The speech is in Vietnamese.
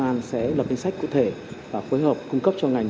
công an sẽ lập kinh sách cụ thể và khối hợp cung cấp cho ngành